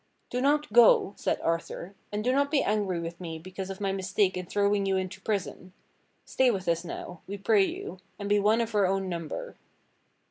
"Do not go," said Arthur, "and do not be angry with me because of my mistake in throwing you into prison. Stay with us now, we pray you, and be one of our own number."